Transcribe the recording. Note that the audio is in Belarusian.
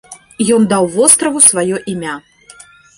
Ён даў востраву сваё імя.